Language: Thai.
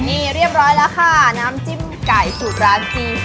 นี่เรียบร้อยแล้วค่ะน้ำจิ้มไก่สูตรร้านจีน